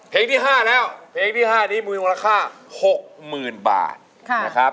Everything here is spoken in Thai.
เพลงที่๕แล้วเพลงที่๕นี้มีราคา๖๐๐๐๐บาท